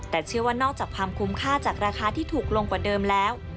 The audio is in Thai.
แต่เชื่อว่านอกจากความคุ้มค่าจากราคาที่ถูกลงกว่าเดิมแล้ว